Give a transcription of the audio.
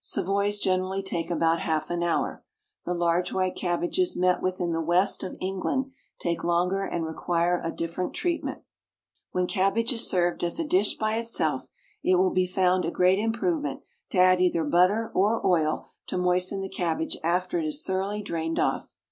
Savoys generally take about half an hour. The large white cabbages met with in the West of England take longer and require a different treatment. When cabbage is served as a dish by itself it will be found a great improvement to add either butter or oil to moisten the cabbage after it is thoroughly drained off.